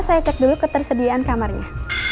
saya cek dulu ketersediaan kamarnya